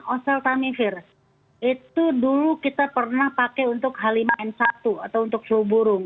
oseltamivir itu dulu kita pernah pakai untuk h lima n satu atau untuk flu burung